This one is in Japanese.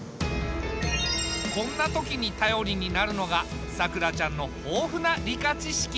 こんな時に頼りになるのがさくらちゃんの豊富な理科知識。